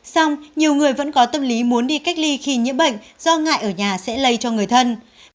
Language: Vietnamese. xong nhiều người vẫn có tâm lý muốn đi cách ly khi nhiễm bệnh do ngại ở nhà sẽ lây cho người thân